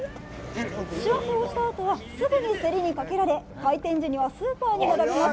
仕分けをしたあとは、すぐに競りにかけられ、開店時にはスーパーに並びます。